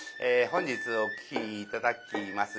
本日お聴き頂きます